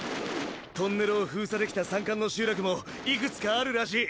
トンネルを封鎖できた山間の集落もいくつかあるらしい。